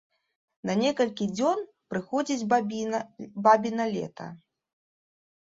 На некалькі дзён прыходзіць бабіна лета.